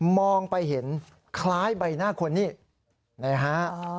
มองไปเห็นคล้ายใบหน้าคนนี้นะฮะ